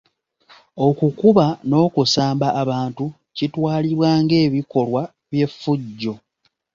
Okukuba n'okusamba abantu kitwalibwa ng'ebikolwa by'effujjo.